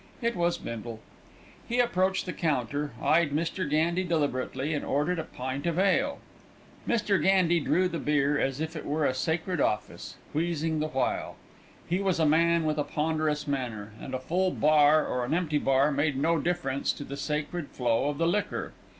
It was Bindle. He approached the counter, eyed Mr. Gandy deliberately, and ordered a pint of ale. Mr. Gandy drew the beer as if it were a sacred office, wheezing the while. He was a man with a ponderous manner, and a full bar or an empty bar made no difference to the sacred flow of the liquor.